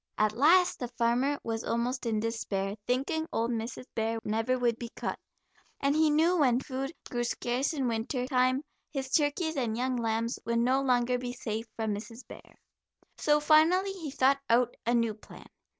At last the farmer was almost in despair, thinking old Mrs. Bear never would be caught, and he knew when food grew scarce in winter time his turkeys and young lambs would no longer be safe from Mrs. Bear. So finally he thought out a new plan.